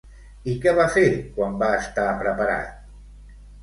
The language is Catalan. I què va fer, quan va estar preparat?